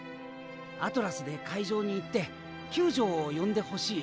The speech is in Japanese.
アトラスで海上に行って救助を呼んでほしい。